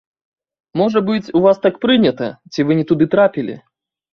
Можа быць, у вас так прынята, ці вы не туды трапілі?